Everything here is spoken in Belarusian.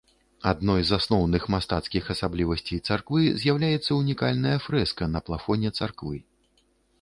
Адной з асноўных мастацкіх асаблівасцей царквы з'яўляецца ўнікальная фрэска на плафоне царквы.